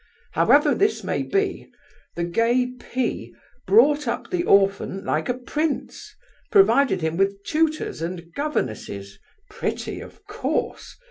However this may be, the gay P—— brought up the orphan like a prince, provided him with tutors and governesses (pretty, of course!)